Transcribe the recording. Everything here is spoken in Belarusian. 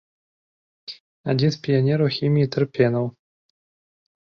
Адзін з піянераў хіміі тэрпенаў.